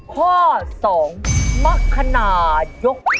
ข้อ๒มรคนายก